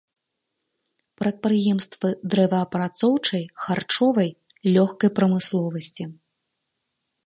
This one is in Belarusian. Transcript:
Прадпрыемствы дрэваапрацоўчай, харчовай, лёгкай прамысловасці.